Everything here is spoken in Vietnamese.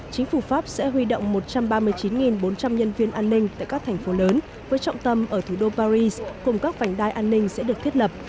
chính phủ pháp sẽ huy động một trăm ba mươi chín bốn trăm linh nhân viên an ninh tại các thành phố lớn với trọng tâm ở thủ đô paris cùng các vành đai an ninh sẽ được thiết lập